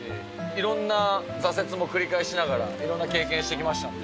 いろんな挫折も繰り返しながら、いろんな経験してきましたんで。